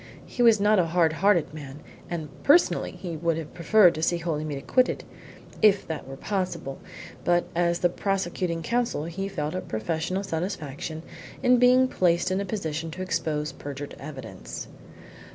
He was not a hard hearted man, and personally he would have preferred to see Holymead acquitted, if that were possible, but as the prosecuting Counsel he felt a professional satisfaction in being placed in the position to expose perjured evidence.